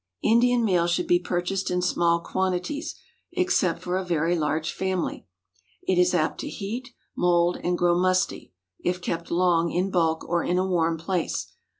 Indian meal should be purchased in small quantities, except for a very large family. It is apt to heat, mould, and grow musty, if kept long in bulk or in a warm place.